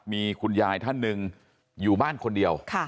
มีคุณยายท่านหนึ่งอยู่บ้านคนเดียว